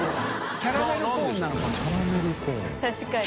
確かに。